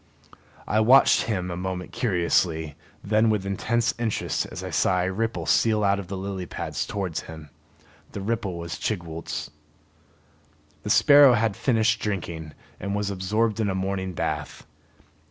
I watched him a moment curiously, then with intense interest as I saw a ripple steal out of the lily pads towards him. The ripple was Chigwooltz. The sparrow had finished drinking and was absorbed in a morning bath.